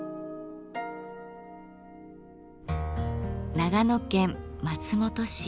長野県松本市。